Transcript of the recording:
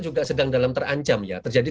juga sedang dalam terancam ya terjadi